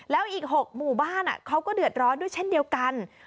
แล้วอีก๖หมู่บ้านเขาก็เดือดร้อนด้วยเช่นเดียวกัน